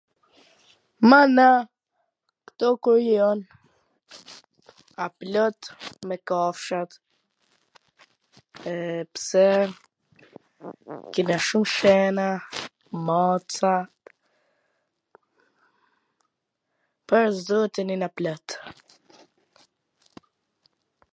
mana, ktu ku rri un ka plot me kafsh, pse kina shum Cena, maca, pwr zotin jina plot.